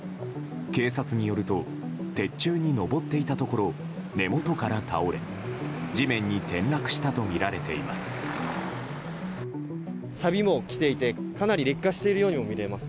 警察によると鉄柱に登っていたところ根元から倒れ地面に転落したとみられています。